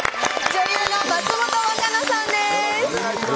女優の松本若菜さんです。